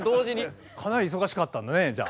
かなり忙しかったんだねじゃあ。